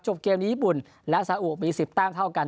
เกมนี้ญี่ปุ่นและสาอุมี๑๐แต้มเท่ากัน